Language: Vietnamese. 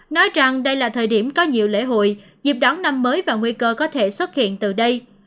nói rằng đây là thời điểm có nhiều lễ hội dịp đón năm mới và nguy cơ có thể xuất hiện từ đây